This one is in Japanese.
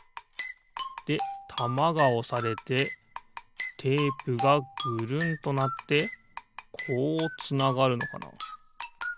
でたまがおされてテープがぐるんとなってこうつながるのかな？